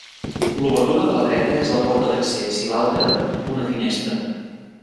L'obertura de la dreta és la porta d'accés i l'altra, una finestra.